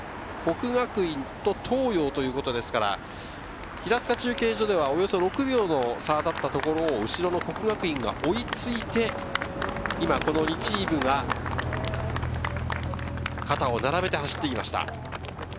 國學院と東洋、平塚中継所ではおよそ６秒の差だったところ、後ろの國學院が追いついて、今この２チームが肩を並べて走ってきました。